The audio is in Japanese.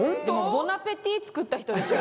「ボナペティ」作った人でしょ？